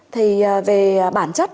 thì về bản chất